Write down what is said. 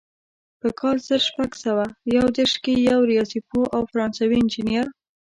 په کال زر شپږ سوه یو دېرش کې یو ریاضي پوه او فرانسوي انجینر.